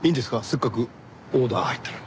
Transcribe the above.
せっかくオーダー入ったのに。